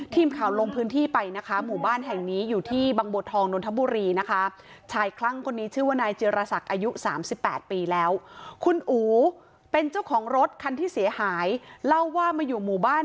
ทีมข่าวลงพื้นที่ไปนะคะหมู่บ้านแห่งนี้อยู่ที่บางบัวทองนนทบุรีนะคะ